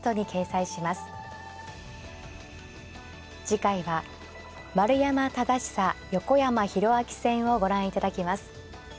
次回は丸山忠久横山泰明戦をご覧いただきます。